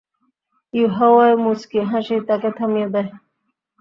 ইউহাওয়ার মুচকি হাসি তাকে থামিয়ে দেয়।